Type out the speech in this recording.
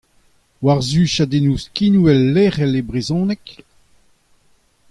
War-zu chadennoù skinwel lecʼhel e brezhoneg ?